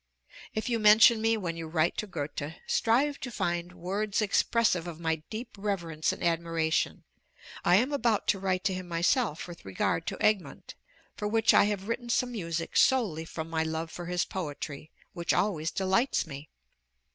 If you mention me when you write to Goethe, strive to find words expressive of my deep reverence and admiration. I am about to write to him myself with regard to 'Egmont,' for which I have written some music solely from my love for his poetry, which always delights me.